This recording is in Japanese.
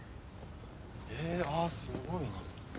ええあっすごいな。